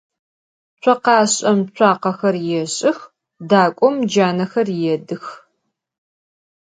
Tsokhap'em tsuakhexer yêş'ıx, dak'om canexer yêdıx.